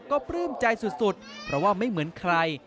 ก็ปลื้มใจสุดเพราะว่าไม่เหมือนใคร